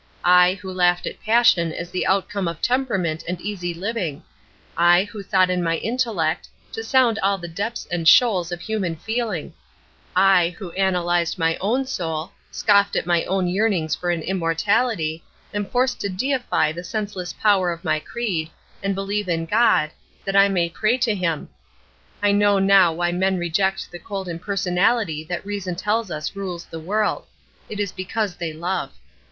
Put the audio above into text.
I, who laughed at passion as the outcome of temperament and easy living I, who thought in my intellect, to sound all the depths and shoals of human feeling I, who analysed my own soul scoffed at my own yearnings for an immortality am forced to deify the senseless power of my creed, and believe in God, that I may pray to Him. I know now why men reject the cold impersonality that reason tells us rules the world it is because they love.